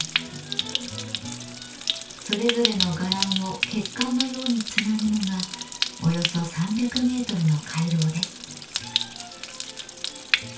それぞれの伽藍を血管のようにつなぐのがおよそ３００メートルの回廊です。